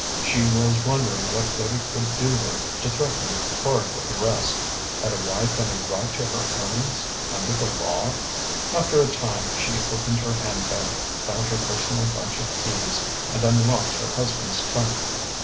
She was wondering what good it would do her to threaten Quard with arrest. Had a wife any right to her earnings, under the law? After a time, she opened her handbag, found her personal bunch of keys, and unlocked her husband's trunk.